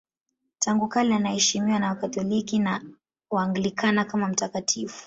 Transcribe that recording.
Tangu kale anaheshimiwa na Wakatoliki na Waanglikana kama mtakatifu.